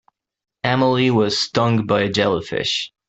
Emily was stung by a jellyfish.